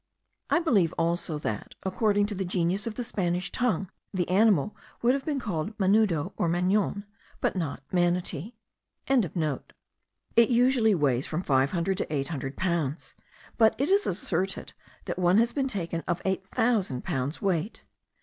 I believe also that, according to the genius of the Spanish tongue, the animal would have been called manudo or manon, but not manati.) It usually weighs from five hundred to eight hundred pounds, but it is asserted that one has been taken of eight thousand pounds weight.